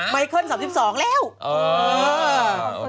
ไมค์เคิล๓๒แล้ว